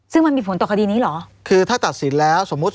ซึ่งมันมีผลต่อคดีนี้เหรอคือถ้าตัดสินแล้วสมมุติ